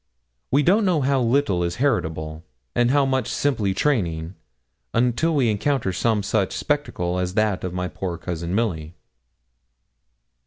We don't know how little is heritable, and how much simply training, until we encounter some such spectacle as that of my poor cousin Milly.